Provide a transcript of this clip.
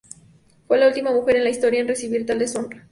Fue la única mujer en la historia en recibir tal deshonra.